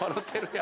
や